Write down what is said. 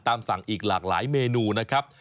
ตามสั่งอีกหลากหลายเมนูนะครับ